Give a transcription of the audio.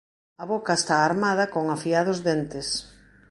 A boca está armada con afiados dentes.